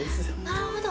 なるほど。